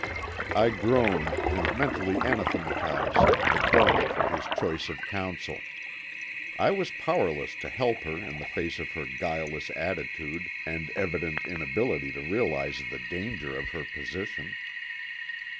I groaned and mentally anathematized the coroner for his choice of counsel. I was powerless to help her in the face of her guileless attitude and evident inability to realize the danger of her position.